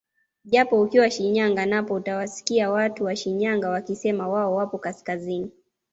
Japo ukiwa Shinyanga napo utawasikia watu wa Shinyanga wakisema wao wapo kaskazini